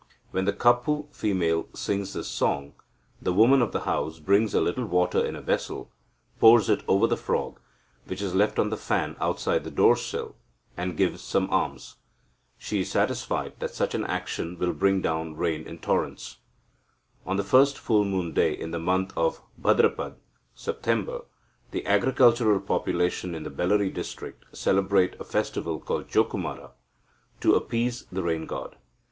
When the Kapu female sings this song, the woman of the house brings a little water in a vessel, pours it over the frog, which is left on the fan outside the door sill, and gives some alms. She is satisfied that such an action will bring down rain in torrents. On the first full moon day in the month of Bhadrapada (September), the agricultural population in the Bellary district celebrate a festival called Jokumara, to appease the rain god.